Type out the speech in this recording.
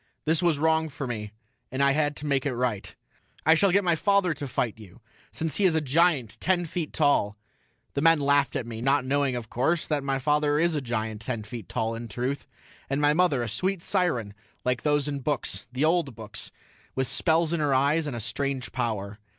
This was wrong for me, and I had to make it right. "I shall get my father to fight you, since he is a giant ten feet tall." The men laughed at me, not knowing, of course, that my father is a giant ten feet tall in truth, and my mother a sweet siren like those in the books, the old books, with spells in her eyes and a strange power.